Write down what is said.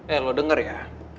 eh lu denger ya